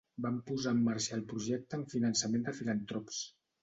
Vam posar en marxa el projecte amb finançament de filantrops.